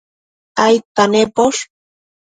aidta nemposh?